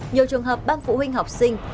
nhiều trường hợp ban phụ huynh học sinh